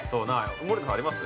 ◆森田さん、あります？